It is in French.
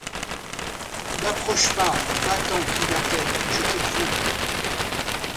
N'approche pas, va-t'en, cria-t-elle, ou je t'écroule!